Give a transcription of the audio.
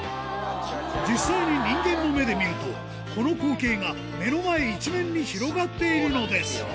実際に人間の目で見ると、この光景が目の前一面に広がっているのです。